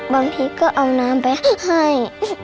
บางทีก็เอาน้ำไปให้